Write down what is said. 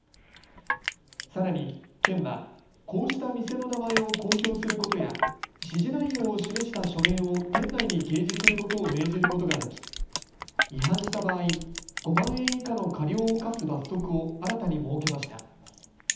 さらに県は、こうした店の名前を公表することや指示内容を示した書面を店内に掲示することを命じることができ違反した場合、５万円以下の過料を科す罰則を新たに設けました。